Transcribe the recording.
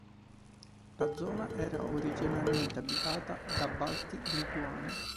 La zona era originariamente abitata da Balti lituani.